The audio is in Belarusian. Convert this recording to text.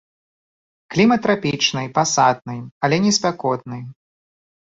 Клімат трапічны пасатны, але не спякотны.